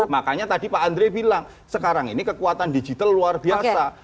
makanya tadi pak andre bilang sekarang ini kekuatan digital luar biasa